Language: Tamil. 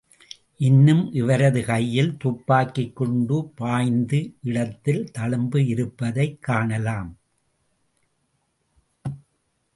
இன்றும் இவரது கையில் துப்பாக்கிக் குண்டு பாய்ந்த இடத்தில் தழும்பு இருப்பதைக் காணலாம்.